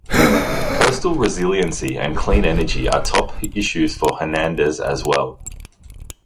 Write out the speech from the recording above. Coastal resiliency and clean energy are top issues for Hernandez as well.